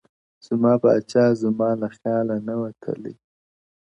زما پاچا زما له خياله نه وتلی_